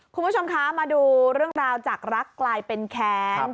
คุณผู้ชมคะมาดูเรื่องราวจากรักกลายเป็นแค้น